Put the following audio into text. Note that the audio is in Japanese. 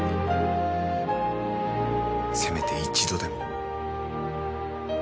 「せめて一度でも」